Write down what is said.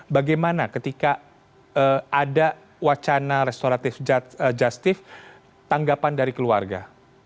bagaimana ketika ada wacana restoratif justice tanggapan dari keluarga